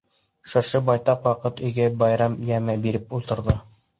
Шыршы байтаҡ ваҡыт өйгә байрам йәме биреп ултырҙы.